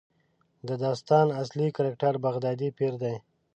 د داستان اصلي کرکټر بغدادي پیر دی.